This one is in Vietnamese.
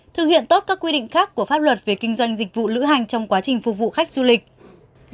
thực hiện tốt các quy định khác của pháp luật về kinh doanh dịch vụ lữ hành trong quá trình phục vụ khách du lịch